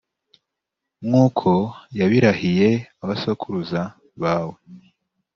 nk’uko yabirahiye abasokuruza bawe,